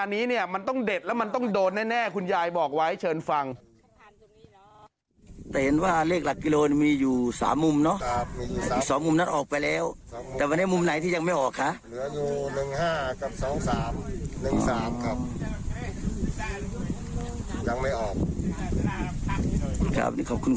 สองสามหนึ่งสามครับยังไม่ออกครับขอบคุณคุณยายมากนะครับ